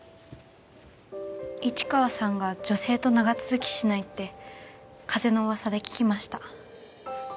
市川さんが女性と長続きしないって風の噂で聞きました。